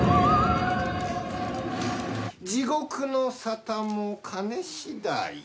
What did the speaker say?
地獄の沙汰も金次第。